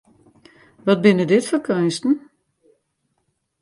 Wat binne dit foar keunsten!